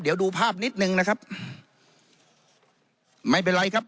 เดี๋ยวดูภาพนิดหนึ่งนะครับไม่เป็นไรครับ